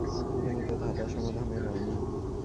তুমি তো ধাঁধা সমাধানের রাণী।